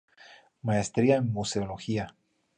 Maestría en Museología.